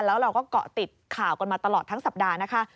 แล้วเราก็เกาะติดข่าวกันมาตลอดทั้งสัปดาห์นะคะ